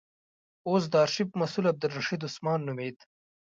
اوس د آرشیف مسئول عبدالرشید عثمان نومېد.